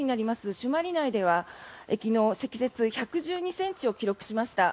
朱鞠内では昨日積雪１１２ｃｍを記録しました。